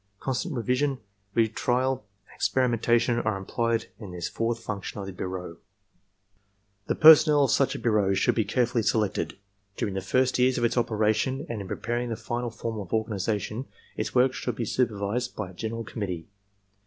Constant revision, retrial and experimentation are implied in this fourth function of the bureau. "The personnel of such a bureau should be carefully selected. During the first years of its operation and in preparing the final form of organization, its work should be supervised by a general committee.